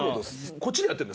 こっちでやってるの？